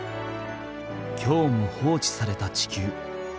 今日も放置された地球。